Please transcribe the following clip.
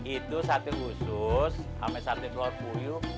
itu sate khusus sama sate telur kuyuk